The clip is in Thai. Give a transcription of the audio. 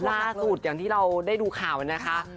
ล่าสุดอย่างที่เราได้ดูข่าวนะครับ